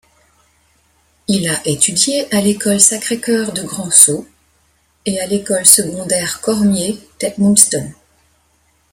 Il a étudié à l'école Sacré-Cœur de Grand-Sault et à l'école secondaire Cormier d'Edmundston.